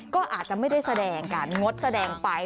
ก็อาจจะไม่ได้แสดงกันงดแสดงไป